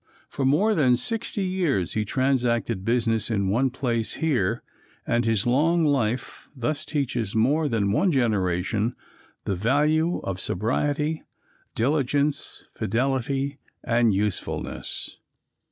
For more than sixty years he transacted business in one place here, and his long life thus teaches more than one generation the value of sobriety, diligence, fidelity and usefulness.